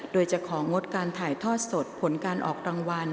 โดยจะของงดการถ่ายทอดสดผลการออกรางวัล